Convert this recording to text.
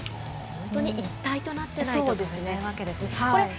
本当に一体となってないといけないんですね。